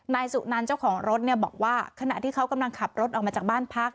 นายสุนันเจ้าของรถเนี่ยบอกว่าขณะที่เขากำลังขับรถออกมาจากบ้านพัก